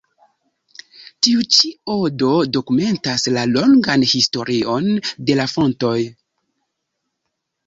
Tiu ĉi odo dokumentas la longan historion de la fontoj.